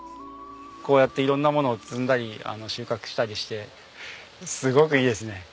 こうやっていろんなものを摘んだり収穫したりしてすごくいいですね。